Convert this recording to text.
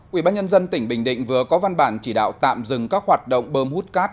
quỹ bác nhân dân tỉnh bình định vừa có văn bản chỉ đạo tạm dừng các hoạt động bơm hút cát